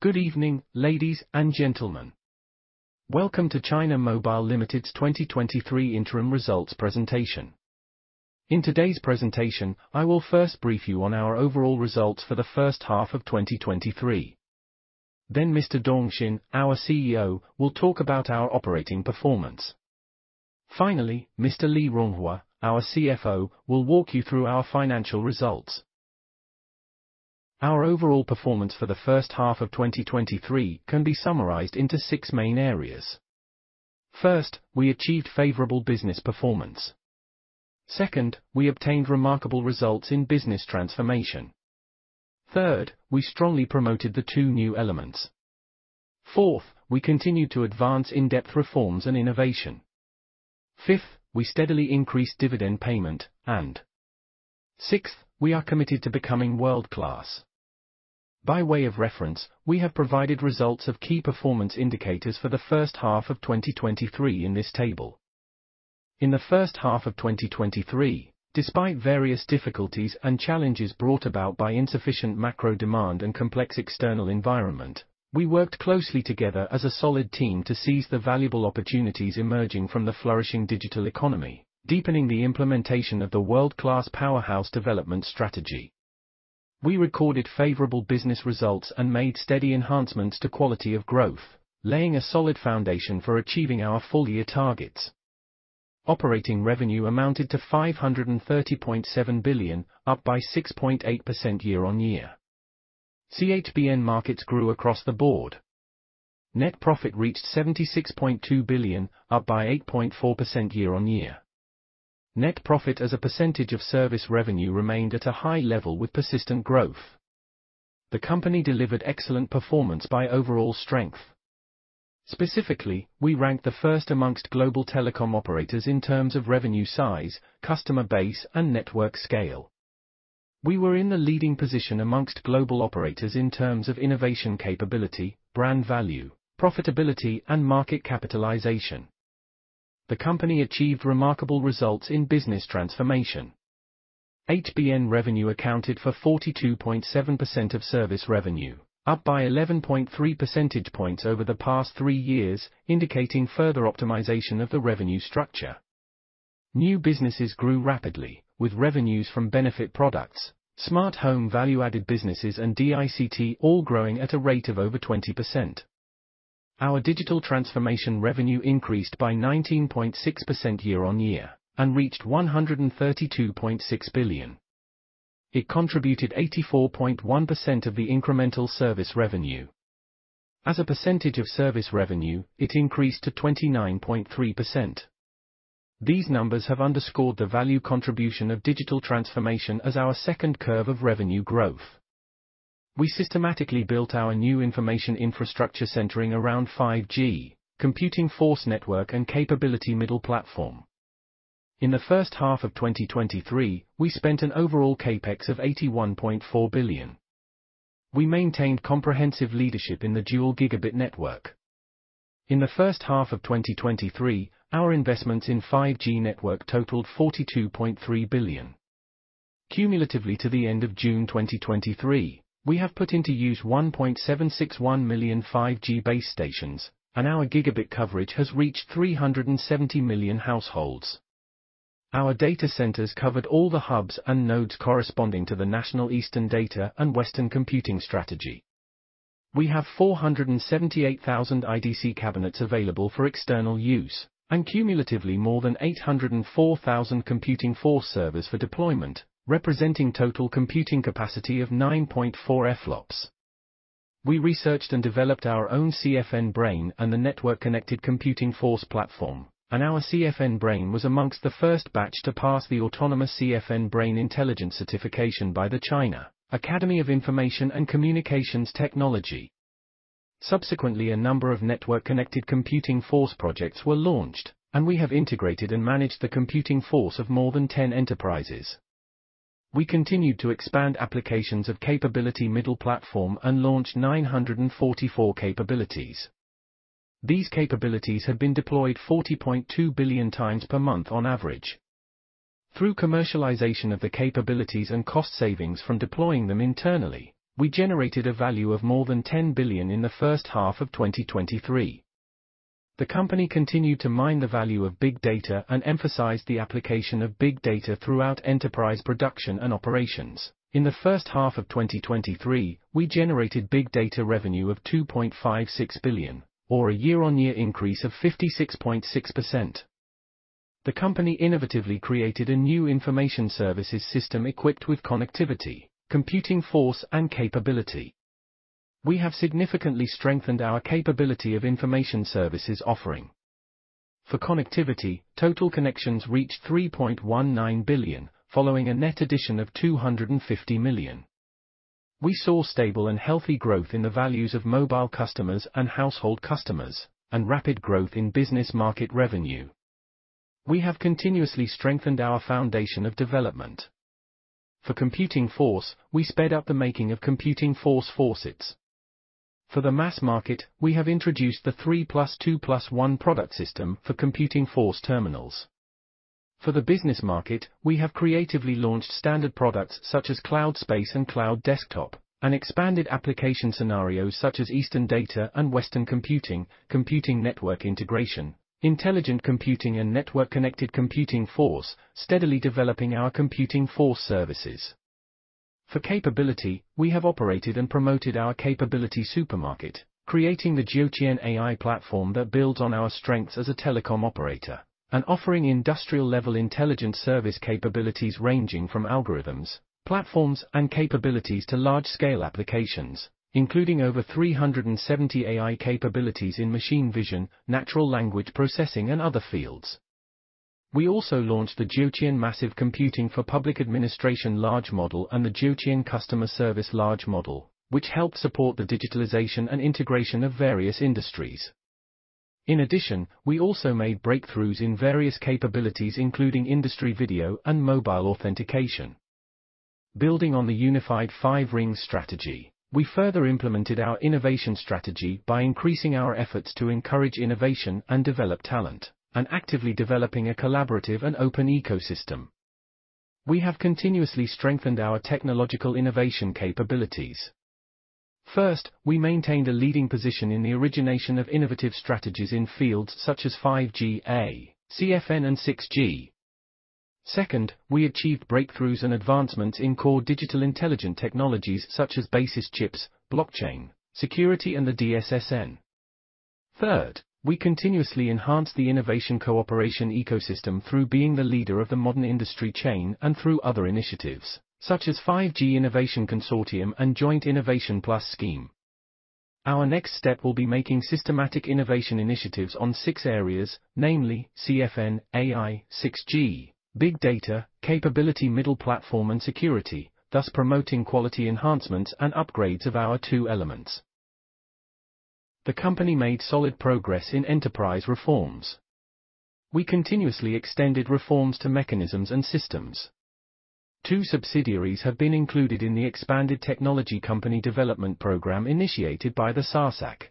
Good evening, ladies and gentlemen. Welcome to China Mobile Limited's 2023 interim results presentation. In today's presentation, I will first brief you on our overall results for the first half of 2023. Mr. Dong Xin, our CEO, will talk about our operating performance. Finally, Mr. Li Ronghua, our CFO, will walk you through our financial results. Our overall performance for the first half of 2023 can be summarized into six main areas. First, we achieved favorable business performance. Second, we obtained remarkable results in business transformation. Third, we strongly promoted the Two New Elements. Fourth, we continued to advance in-depth reforms and innovation. Fifth, we steadily increased dividend payment, and sixth, we are committed to becoming world-class. By way of reference, we have provided results of key performance indicators for the first half of 2023 in this table. In the first half of 2023, despite various difficulties and challenges brought about by insufficient macro demand and complex external environment, we worked closely together as a solid team to seize the valuable opportunities emerging from the flourishing digital economy, deepening the implementation of the World-Class Powerhouse Development Strategy. We recorded favorable business results and made steady enhancements to quality of growth, laying a solid foundation for achieving our full year targets. Operating revenue amounted to 530.7 billion, up by 6.8% year-on-year. CHBN markets grew across the board. Net profit reached 76.2 billion, up by 8.4% year-on-year. Net profit as a percentage of service revenue remained at a high level, with persistent growth. The company delivered excellent performance by overall strength. Specifically, we ranked the first amongst global telecom operators in terms of revenue size, customer base, and network scale. We were in the leading position amongst global operators in terms of innovation capability, brand value, profitability, and market capitalization. The company achieved remarkable results in business transformation. HBN revenue accounted for 42.7% of service revenue, up by 11.3 percentage points over the past three years, indicating further optimization of the revenue structure. New businesses grew rapidly, with revenues from benefit products, smart home value-added businesses, and DICT all growing at a rate of over 20%. Our digital transformation revenue increased by 19.6% year-on-year and reached 132.6 billion. It contributed 84.1% of the incremental service revenue. As a percentage of service revenue, it increased to 29.3%. These numbers have underscored the value contribution of digital transformation as our second curve of revenue growth. We systematically built our new information infrastructure centering around 5G, Computing Force Network, and Capability Middle Platform. In the first half of 2023, we spent an overall CapEx of 81.4 billion. We maintained comprehensive leadership in the dual gigabit network. In the first half of 2023, our investments in 5G network totaled 42.3 billion. Cumulatively to the end of June 2023, we have put into use 1.761 million 5G base stations, and our gigabit coverage has reached 370 million households. Our data centers covered all the hubs and nodes corresponding to the national Eastern Data and Western Computing strategy. We have 478,000 IDC cabinets available for external use and cumulatively more than 804,000 computing force servers for deployment, representing total computing capacity of 9.4 EFLOPS. We researched and developed our own CFN brain and the network-connected computing force platform, and our CFN brain was amongst the first batch to pass the autonomous CFN brain intelligence certification by the China Academy of Information and Communications Technology. A number of network-connected computing force projects were launched, and we have integrated and managed the computing force of more than 10 enterprises. We continued to expand applications of Capability Middle Platform and launched 944 capabilities. These capabilities have been deployed 40.2 billion times per month on average. Through commercialization of the capabilities and cost savings from deploying them internally, we generated a value of more than 10 billion in the first half of 2023. The company continued to mine the value of big data and emphasized the application of big data throughout enterprise production and operations. In the first half of 2023, we generated big data revenue of 2.56 billion, or a year-on-year increase of 56.6%. The company innovatively created a new information services system equipped with connectivity, computing force, and capability. We have significantly strengthened our capability of information services offering. For connectivity, total connections reached 3.19 billion, following a net addition of 250 million. We saw stable and healthy growth in the values of mobile customers and household customers, and rapid growth in business market revenue. We have continuously strengthened our foundation of development. For computing force, we sped up the making of computing force faucets. For the mass market, we have introduced the 3+2+1 product system for computing force terminals. For the business market, we have creatively launched standard products such as cloud space and cloud desktop, and expanded application scenarios such as Eastern Data and Western Computing, computing-network integration, intelligent computing, and network-connected computing force, steadily developing our computing force services. For capability, we have operated and promoted our capability supermarket, creating the Jiutian AI Platform that builds on our strengths as a telecom operator and offering industrial-level intelligent service capabilities ranging from algorithms, platforms, and capabilities to large-scale applications, including over 370 AI capabilities in machine vision, natural language processing, and other fields. We also launched the Jiutian Massive Computing for Public Administration large model and the Jiutian Customer Service large model, which helped support the digitalization and integration of various industries. In addition, we also made breakthroughs in various capabilities, including industry video and Mobile Authentication. Building on the Unified Five Rings Strategy, we further implemented our innovation strategy by increasing our efforts to encourage innovation and develop talent, and actively developing a collaborative and open ecosystem. We have continuously strengthened our technological innovation capabilities. First, we maintained a leading position in the origination of innovative strategies in fields such as 5G, CFN, and 6G. Second, we achieved breakthroughs and advancements in core digital intelligent technologies such as basic chips, blockchain, security, and the DSSN. Third, we continuously enhance the innovation cooperation ecosystem through being the leader of the modern industrial chain and through other initiatives such as 5G Innovation Consortium and Joint Innovation Plus Scheme. Our next step will be making systematic innovation initiatives on six areas, namely CFN, AI, 6G, big data, Capability Middle Platform, and security, thus promoting quality enhancements and upgrades of our two elements. The company made solid progress in enterprise reforms. We continuously extended reforms to mechanisms and systems. Two subsidiaries have been included in the expanded technology company development program initiated by the SASAC.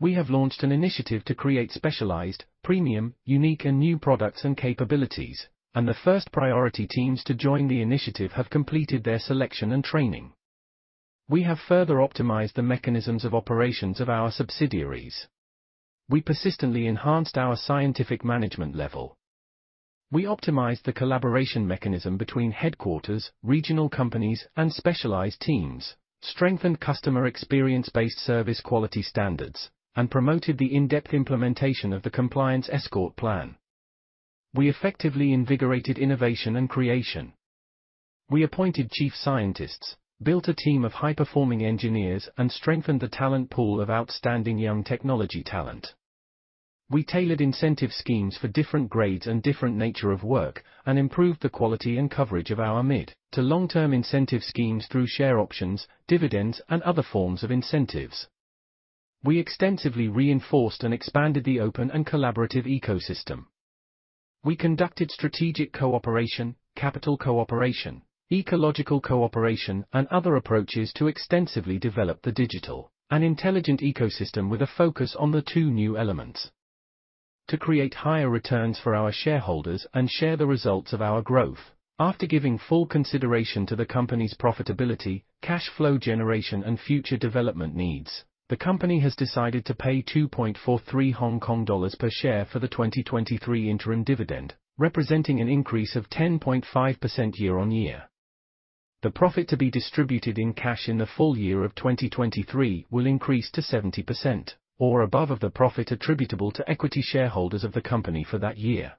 We have launched an initiative to create specialized, premium, unique, and new products and capabilities, and the first priority teams to join the initiative have completed their selection and training. We have further optimized the mechanisms of operations of our subsidiaries. We persistently enhanced our scientific management level. We optimized the collaboration mechanism between headquarters, regional companies, and specialized teams, strengthened customer experience-based service quality standards, and promoted the in-depth implementation of the Compliance Escort Plan. We effectively invigorated innovation and creation. We appointed chief scientists, built a team of high-performing engineers, and strengthened the talent pool of outstanding young technology talent. We tailored incentive schemes for different grades and different nature of work, and improved the quality and coverage of our mid to long-term incentive schemes through share options, dividends, and other forms of incentives. We extensively reinforced and expanded the open and collaborative ecosystem. We conducted strategic cooperation, capital cooperation, ecological cooperation, and other approaches to extensively develop the digital and intelligent ecosystem with a focus on the Two New Elements. To create higher returns for our shareholders and share the results of our growth, after giving full consideration to the company's profitability, cash flow generation, and future development needs, the company has decided to pay 2.43 Hong Kong dollars per share for the 2023 interim dividend, representing an increase of 10.5% year-on-year. The profit to be distributed in cash in the full year of 2023 will increase to 70% or above of the profit attributable to equity shareholders of the company for that year.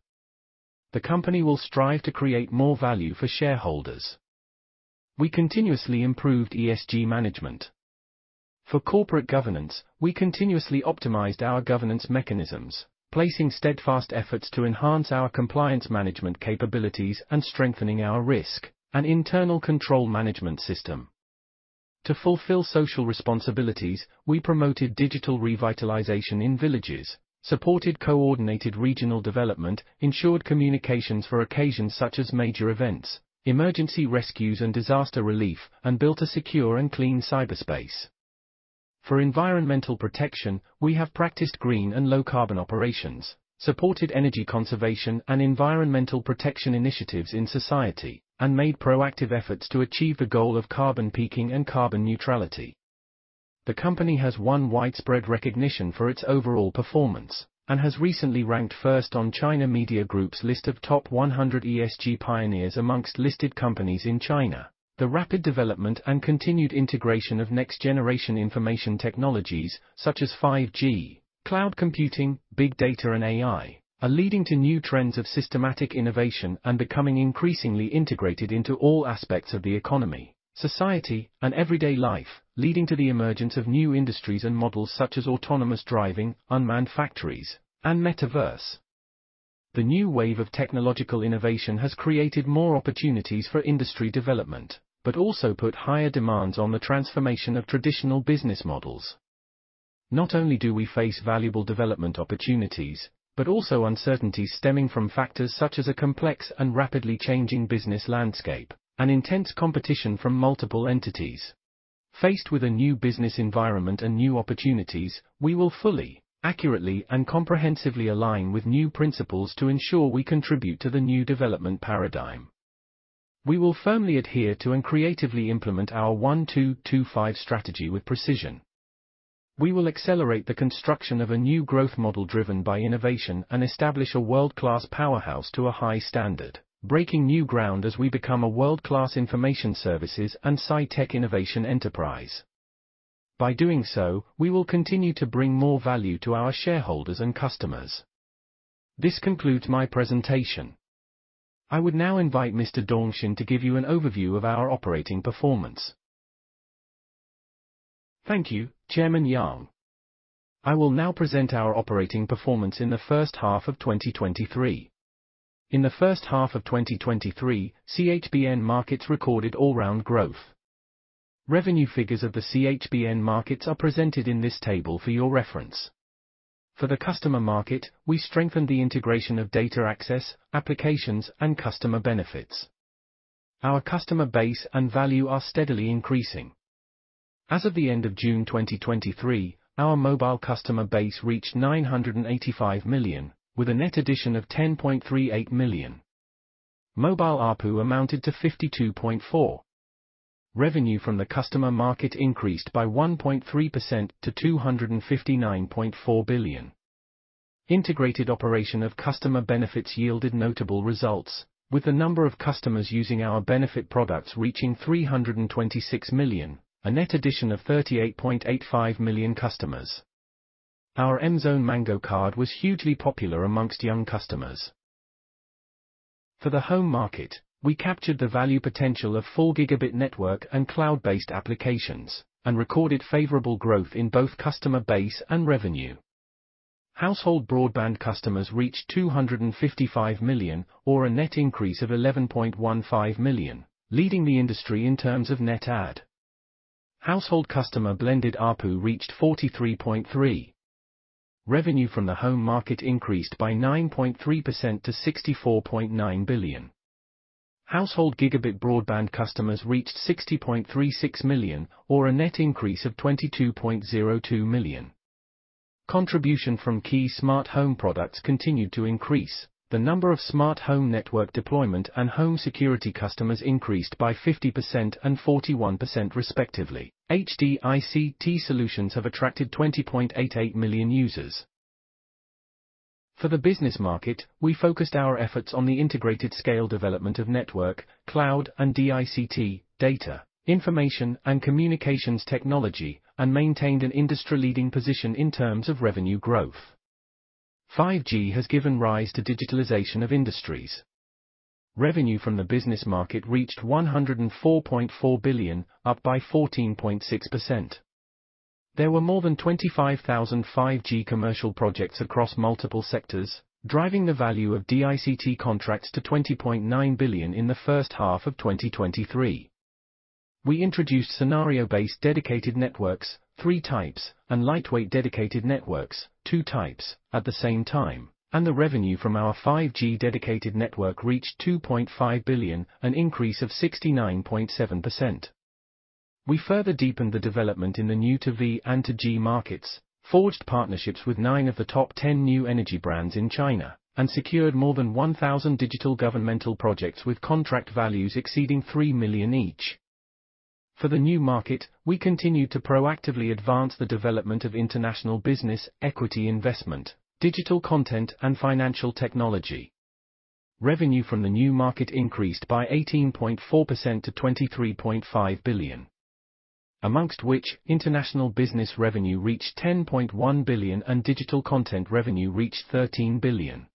The company will strive to create more value for shareholders. We continuously improved ESG management. For corporate governance, we continuously optimized our governance mechanisms, placing steadfast efforts to enhance our compliance management capabilities, and strengthening our risk and internal control management system. To fulfill social responsibilities, we promoted digital revitalization in villages, supported coordinated regional development, ensured communications for occasions such as major events, emergency rescues, and disaster relief, and built a secure and clean cyberspace. For environmental protection, we have practiced green and low-carbon operations, supported energy conservation and environmental protection initiatives in society, and made proactive efforts to achieve the goal of carbon peaking and carbon neutrality. The company has won widespread recognition for its overall performance and has recently ranked first on China Media Group's list of top 100 ESG pioneers amongst listed companies in China. The rapid development and continued integration of next-generation information technologies such as 5G, cloud computing, big data, and AI, are leading to new trends of systematic innovation and becoming increasingly integrated into all aspects of the economy, society, and everyday life, leading to the emergence of new industries and models such as autonomous driving, unmanned factories, and metaverse. The new wave of technological innovation has created more opportunities for industry development, but also put higher demands on the transformation of traditional business models. Not only do we face valuable development opportunities, but also uncertainties stemming from factors such as a complex and rapidly changing business landscape and intense competition from multiple entities. Faced with a new business environment and new opportunities, we will fully, accurately, and comprehensively align with new principles to ensure we contribute to the new development paradigm. We will firmly adhere to and creatively implement our 1-2-2-5 strategy with precision. We will accelerate the construction of a new growth model driven by innovation and establish a world-class powerhouse to a high standard, breaking new ground as we become a world-class information services and Sci-Tech innovation enterprise. By doing so, we will continue to bring more value to our shareholders and customers. This concludes my presentation. I would now invite Mr. Dong Xin to give you an overview of our operating performance. Thank you, Chairman Yang. I will now present our operating performance in the first half of 2023. In the first half of 2023, CHBN markets recorded all-round growth. Revenue figures of the CHBN markets are presented in this table for your reference. For the customer market, we strengthened the integration of data access, applications, and customer benefits. Our customer base and value are steadily increasing. As of the end of June 2023, our mobile customer base reached 985 million, with a net addition of 10.38 million. Mobile ARPU amounted to 52.4. Revenue from the customer market increased by 1.3% to 259.4 billion. Integrated operation of customer benefits yielded notable results, with the number of customers using our benefit products reaching 326 million, a net addition of 38.85 million customers. Our M-Zone Mango Card was hugely popular amongst young customers. For the home market, we captured the value potential of full gigabit network and cloud-based applications and recorded favorable growth in both customer base and revenue. Household broadband customers reached 255 million, or a net increase of 11.15 million, leading the industry in terms of net add. Household customer blended ARPU reached 43.3. Revenue from the home market increased by 9.3% to 64.9 billion. Household gigabit broadband customers reached 60.36 million, or a net increase of 22.02 million. Contribution from key smart home products continued to increase. The number of smart home network deployment and home security customers increased by 50% and 41% respectively. HDICT solutions have attracted 20.88 million users. For the business market, we focused our efforts on the integrated scale development of network, cloud, and DICT, data, information, and communications technology, and maintained an industry-leading position in terms of revenue growth. 5G has given rise to digitalization of industries. Revenue from the business market reached 104.4 billion, up by 14.6%. There were more than 25,000 5G commercial projects across multiple sectors, driving the value of DICT contracts to 20.9 billion in the first half of 2023. We introduced scenario-based dedicated networks, 3 types, and lightweight dedicated networks, 2 types, at the same time, and the revenue from our 5G dedicated network reached 2.5 billion, an increase of 69.7%. We further deepened the development in the new To V and toG markets, forged partnerships with nine of the top ten new energy brands in China, and secured more than 1,000 digital governmental projects with contract values exceeding 3 million each. For the new market, we continued to proactively advance the development of international business, equity investment, digital content, and financial technology. Revenue from the new market increased by 18.4% to CNY 23.5 billion, amongst which international business revenue reached CNY 10.1 billion and digital content revenue reached CNY 13 billion.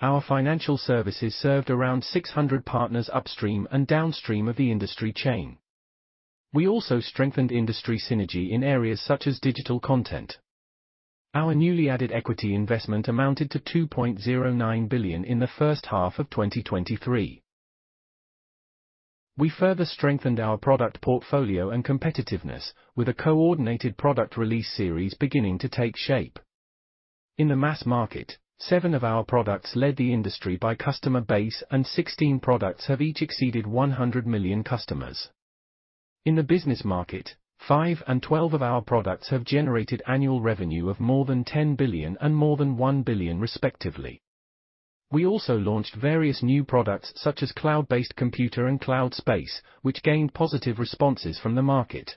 Our financial services served around 600 partners upstream and downstream of the industry chain. We also strengthened industry synergy in areas such as digital content. Our newly added equity investment amounted to 2.09 billion in the first half of 2023. We further strengthened our product portfolio and competitiveness with a coordinated product release series beginning to take shape. In the mass market, seven of our products led the industry by customer base, and 16 products have each exceeded 100 million customers. In the business market, 5 and 12 of our products have generated annual revenue of more than 10 billion and more than 1 billion respectively. We also launched various new products, such as cloud computer and cloud space, which gained positive responses from the market.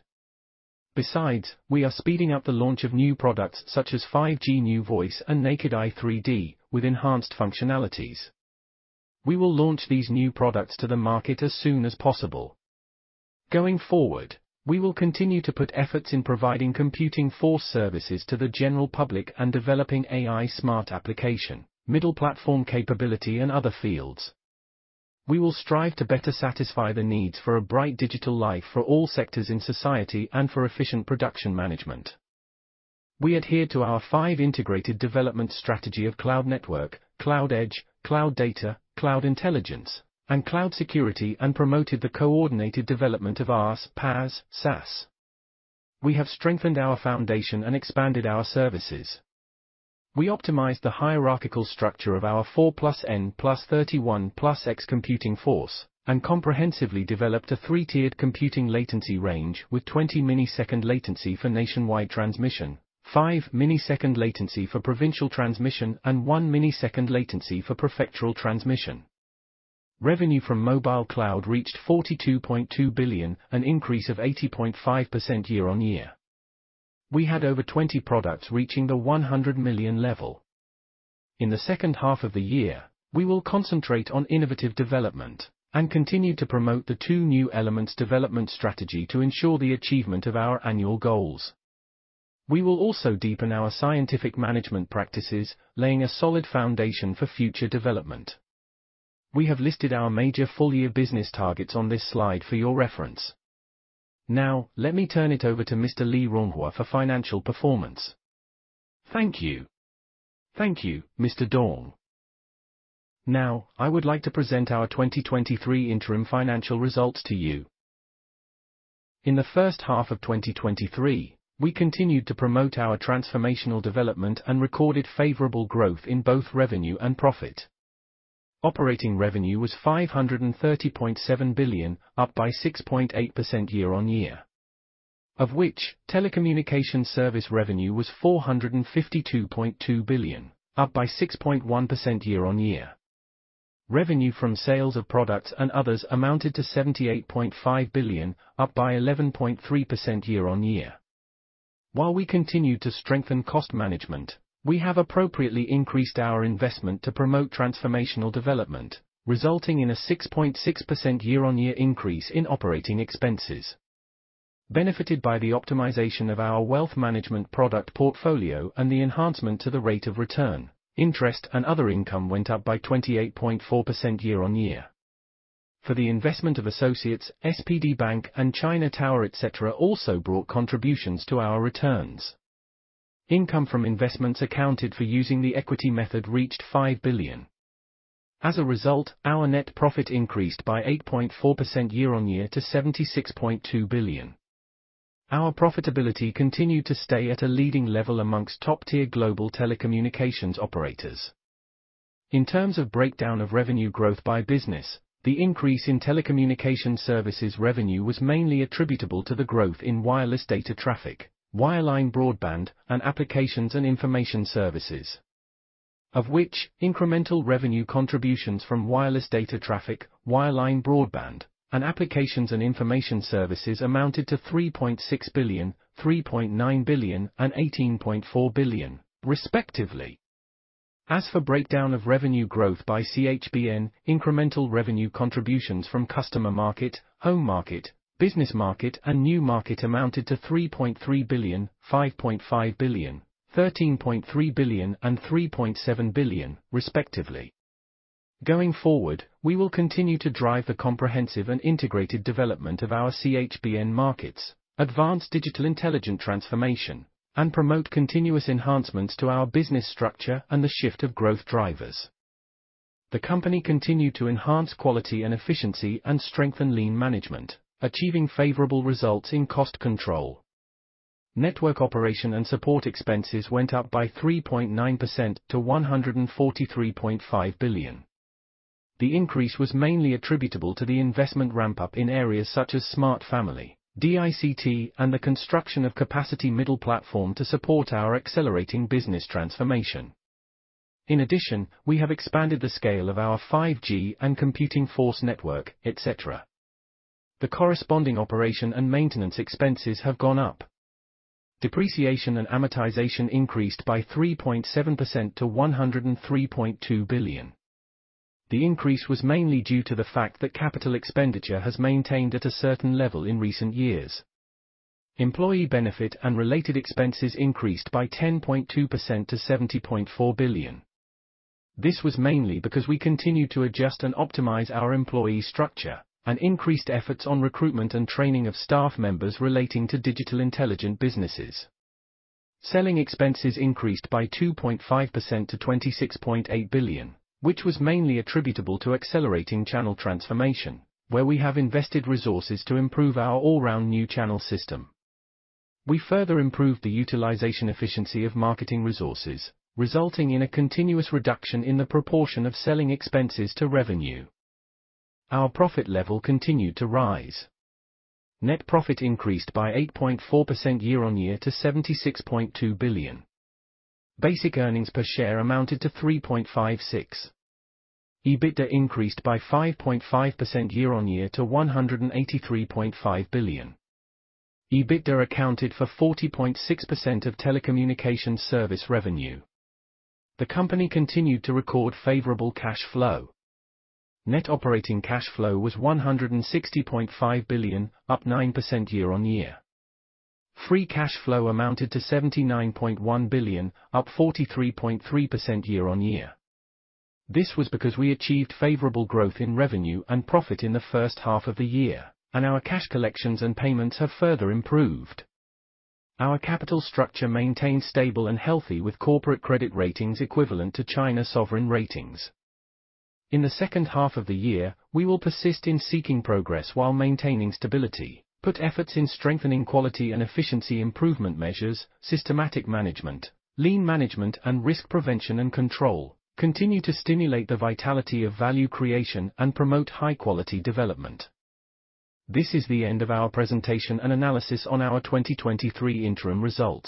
We are speeding up the launch of new products such as 5G New Calling and Naked-Eye 3D, with enhanced functionalities. We will launch these new products to the market as soon as possible. Going forward, we will continue to put efforts in providing computing force services to the general public and developing AI smart application, Capability Middle Platform, and other fields. We will strive to better satisfy the needs for a bright digital life for all sectors in society and for efficient production management. We adhered to our 5 integrated development strategy of cloud network, cloud edge, cloud data, cloud intelligence, and cloud security, promoted the coordinated development of our PaaS, SaaS. We have strengthened our foundation and expanded our services. We optimized the hierarchical structure of our 4+N+31+X computing force and comprehensively developed a three-tiered computing latency range with 20 millisecond latency for nationwide transmission, 5 millisecond latency for provincial transmission, and 1 millisecond latency for prefectural transmission. Revenue from Mobile Cloud reached 42.2 billion, an increase of 80.5% year-on-year. We had over 20 products reaching the 100 million level. In the second half of the year, we will concentrate on innovative development and continue to promote the Two New Elements development strategy to ensure the achievement of our annual goals. We will also deepen our scientific management practices, laying a solid foundation for future development. We have listed our major full year business targets on this slide for your reference. Let me turn it over to Mr. Li Ronghua for financial performance. Thank you. Thank you, Mr. Dong. I would like to present our 2023 interim financial results to you. In the first half of 2023, we continued to promote our transformational development and recorded favorable growth in both revenue and profit. Operating revenue was 530.7 billion, up by 6.8% year-on-year. Of which, telecommunication service revenue was 452.2 billion, up by 6.1% year-on-year. Revenue from sales of products and others amounted to 78.5 billion, up by 11.3% year-on-year. While we continued to strengthen cost management, we have appropriately increased our investment to promote transformational development, resulting in a 6.6% year-on-year increase in operating expenses. Benefited by the optimization of our wealth management product portfolio and the enhancement to the rate of return, interest and other income went up by 28.4% year-on-year. For the investment of associates, SPD Bank and China Tower, et cetera, also brought contributions to our returns. Income from investments accounted for using the equity method reached 5 billion. As a result, our net profit increased by 8.4% year-on-year to 76.2 billion. Our profitability continued to stay at a leading level amongst top-tier global telecommunications operators. In terms of breakdown of revenue growth by business, the increase in telecommunication services revenue was mainly attributable to the growth in wireless data traffic, wireline broadband, and applications and information services. Of which, incremental revenue contributions from wireless data traffic, wireline broadband, and applications and information services amounted to 3.6 billion, 3.9 billion, and 18.4 billion respectively. As for breakdown of revenue growth by CHBN, incremental revenue contributions from customer market, home market, business market, and new market amounted to 3.3 billion, 5.5 billion, 13.3 billion, and 3.7 billion, respectively. Going forward, we will continue to drive the comprehensive and integrated development of our CHBN markets, advance digital intelligent transformation, and promote continuous enhancements to our business structure and the shift of growth drivers. The company continued to enhance quality and efficiency and strengthen lean management, achieving favorable results in cost control. Network operation and support expenses went up by 3.9% to 143.5 billion. The increase was mainly attributable to the investment ramp-up in areas such as Smart Family, DICT, and the construction of Capability Middle Platform to support our accelerating business transformation. In addition, we have expanded the scale of our 5G and Computing Force Network, et cetera. The corresponding operation and maintenance expenses have gone up. Depreciation and amortization increased by 3.7% to 103.2 billion. The increase was mainly due to the fact that capital expenditure has maintained at a certain level in recent years. Employee benefit and related expenses increased by 10.2% to 70.4 billion. This was mainly because we continued to adjust and optimize our employee structure and increased efforts on recruitment and training of staff members relating to digital intelligent businesses. Selling expenses increased by 2.5% to 26.8 billion, which was mainly attributable to accelerating channel transformation, where we have invested resources to improve our all-round new channel system. We further improved the utilization efficiency of marketing resources, resulting in a continuous reduction in the proportion of selling expenses to revenue. Our profit level continued to rise. Net profit increased by 8.4% year-on-year to 76.2 billion. Basic earnings per share amounted to 3.56. EBITDA increased by 5.5% year-on-year to 183.5 billion. EBITDA accounted for 40.6% of telecommunications service revenue. The company continued to record favorable cash flow. Net operating cash flow was 160.5 billion, up 9% year-on-year. Free cash flow amounted to 79.1 billion, up 43.3% year-on-year. This was because we achieved favorable growth in revenue and profit in the first half of the year, and our cash collections and payments have further improved. Our capital structure maintains stable and healthy, with corporate credit ratings equivalent to China sovereign ratings. In the second half of the year, we will persist in seeking progress while maintaining stability, put efforts in strengthening quality and efficiency improvement measures, systematic management, lean management, and risk prevention and control, continue to stimulate the vitality of value creation, and promote high-quality development. This is the end of our presentation and analysis on our 2023 interim results.